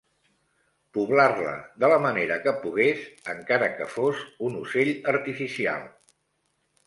Poblar-la de la manera que pogués, encara que fos un ocell artificial